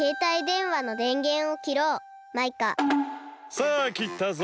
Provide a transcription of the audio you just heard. さあきったぞ。